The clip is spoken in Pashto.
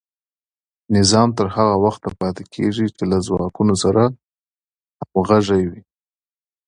نظام تر هغه وخته پاتې کیږي چې له ځواکونو سره همغږی وي.